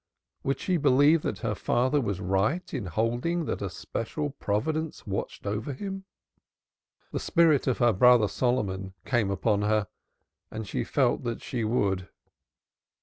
Would she believe that her father was right in holding that a special Providence watched over him? The spirit of her brother Solomon came upon her and she felt that she would.